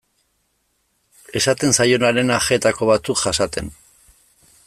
Esaten zaionaren ajeetako batzuk jasaten.